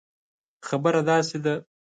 خبره داسي ده